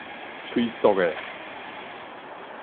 催速的